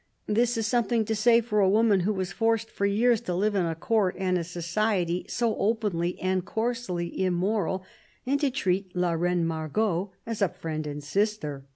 This is something to say for a woman who was forced for years to live in a Court and a society so openly and coarsely immoral, and to treat La Reine Margot as a friend and a sister.